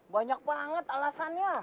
banyak banget alasannya